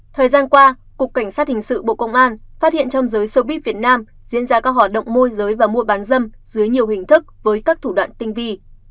thời gian qua cục cảnh sát hình sự bộ công an phát hiện trong giới xe buýt việt nam diễn ra các hoạt động môi giới và mua bán dâm dưới nhiều hình thức với các thủ đoạn tinh vi